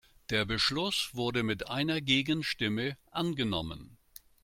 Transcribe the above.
Der Beschluss wurde mit einer Gegenstimme angenommen.